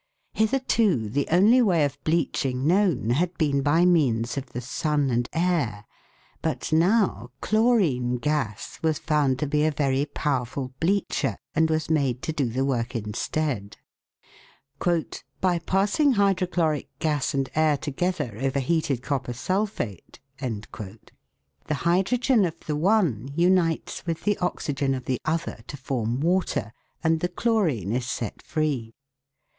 Hitherto the only way of bleaching known had been by means of the sun and air, but now chlorine gas was found to be a very powerful bleacher, and was made to do the work instead. "By passing hydrochloric gas and air to gether over heated copper sulphate," the hydrogen of the * All true acids contain hydrogen. 296 THE WORLDS LUMBER ROOM. one unites with the oxygen of the other to form water, and the chlorine is set free.